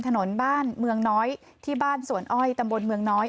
ถนนบ้านเมืองน้อยที่บ้านสวนอ้อยตำบลเมืองน้อย